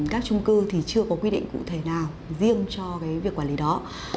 các trung cư thì chưa có quy định cụ thể nào riêng cho cái việc quản lý đó